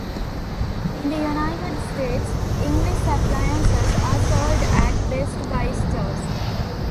In the United States, Inglis appliances are sold at Best Buy stores.